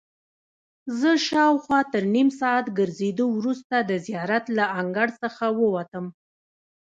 زه شاوخوا تر نیم ساعت ګرځېدو وروسته د زیارت له انګړ څخه ووتم.